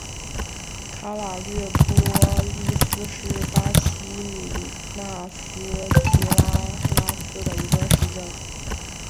卡瓦略波利斯是巴西米纳斯吉拉斯州的一个市镇。